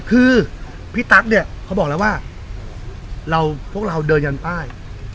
คือพี่ตั๊กเนี่ยเขาบอกแล้วว่าเราพวกเราเดินยันป้าย